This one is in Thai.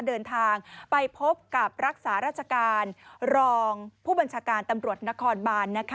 เดินทางไปพบกับรักษาราชการรองผู้บัญชาการตำรวจนครบาน